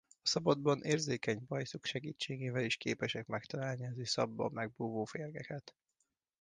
A szabadban érzékeny bajszuk segítségével is képesek megtalálni az iszapban megbúvó férgeket.